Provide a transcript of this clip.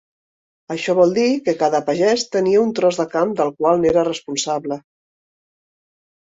Això vol dir que cada pagès tenia un tros de camp del qual n'era responsable.